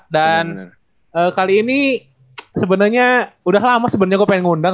dan kali ini sebenarnya udah lama sebenarnya gue pengen ngundang